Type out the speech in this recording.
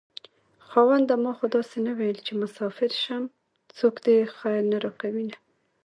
خاونده ما خو داسې نه وېل چې مساپر شم څوک دې خير نه راکوينه